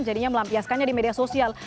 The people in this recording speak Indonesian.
jadinya melampiaskannya di media sosial